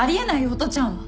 音ちゃんは。